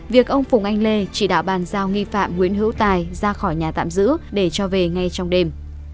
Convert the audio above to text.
việc ông phùng anh lê chỉ đạo bàn giao nghi phạm nguyễn hữu tài ra khỏi nhà tạm giữ để cho về ngay trong đêm